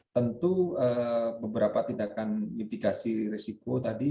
tentu beberapa tindakan mitigasi risiko tadi